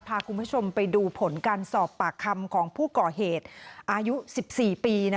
พาคุณผู้ชมไปดูผลการสอบปากคำของผู้ก่อเหตุอายุ๑๔ปี